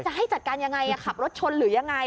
ให้จัดการยังไงขับรถชนหรือยังไง